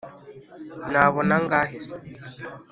nabona angahe se?